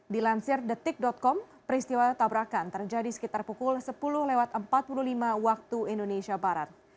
dilansir detik com peristiwa tabrakan terjadi sekitar pukul sepuluh lewat empat puluh lima waktu indonesia barat